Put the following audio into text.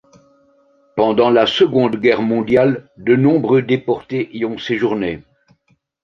Pendant la Seconde Guerre mondiale, de nombreux déportés y ont séjourné.